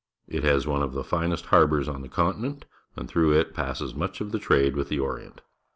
It has one of the finest harbours on the continent, and through it passes much of the trade with the Orient.